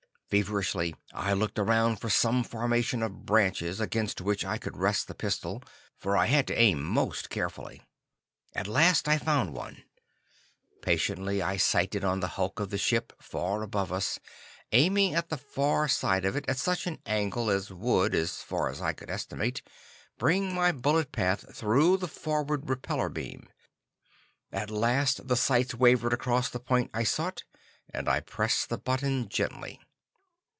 Feverishly I looked around for some formation of branches against which I could rest the pistol, for I had to aim most carefully. At last I found one. Patiently I sighted on the hulk of the ship far above us, aiming at the far side of it, at such an angle as would, so far as I could estimate, bring my bullet path through the forward repellor beam. At last the sights wavered across the point I sought and I pressed the button gently.